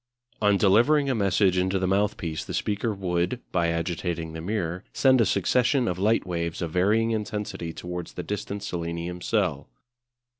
On delivering a message into the mouthpiece the speaker would, by agitating the mirror, send a succession of light waves of varying intensity towards the distant selenium cell.